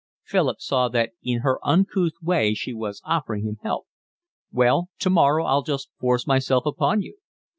Philip saw that in her uncouth way she was offering him help. "Well, tomorrow I'll just force myself upon you."